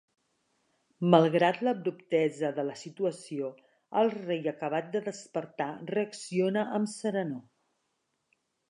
Malgrat l'abruptesa de la situació, el rei acabat de despertar reacciona amb serenor.